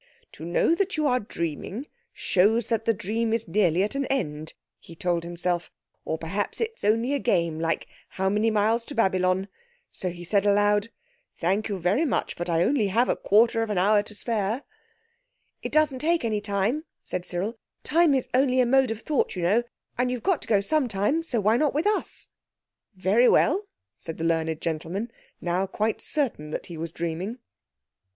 "To know that you are dreaming shows that the dream is nearly at an end," he told himself; "or perhaps it's only a game, like 'How many miles to Babylon?'" So he said aloud: "Thank you very much, but I have only a quarter of an hour to spare." "It doesn't take any time," said Cyril; "time is only a mode of thought, you know, and you've got to go some time, so why not with us?" "Very well," said the learned gentleman, now quite certain that he was dreaming.